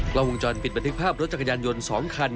กล้องวงจรปิดบันทึกภาพรถจักรยานยนต์๒คัน